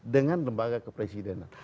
dengan lembaga kepresidenan